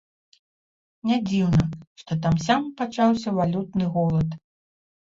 Нядзіўна, што там-сям пачаўся валютны голад.